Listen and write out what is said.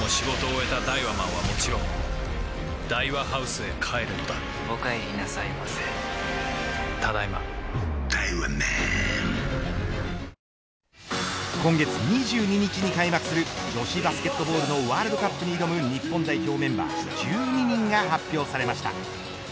セ・リーグでは巨人の坂本選手が今月２２日に開幕する女子バスケットボールのワールドカップに挑む日本代表メンバー１２人が発表されました。